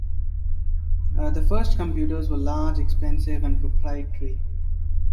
The first computers were large, expensive and proprietary.